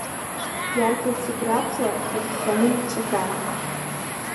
Иарӷьа-ҭиграфла ирхханы иҿаҳәан.